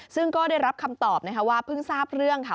ซึ่งก็ได้รับคำตอบนะคะว่าเพิ่งทราบเรื่องค่ะ